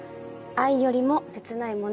愛よりも切ない物語。